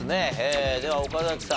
では岡崎さん。